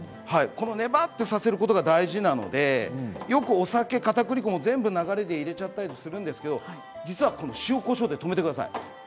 このねばっとさせることが大事なのでよく、お酒、かたくり粉も全部流れで入れちゃったりするんですけども実は塩、こしょうで止めてください。